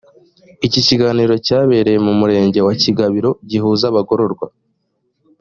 iki gikorwa cyabereye mu murenge wa kigabiro gihuza abagororwa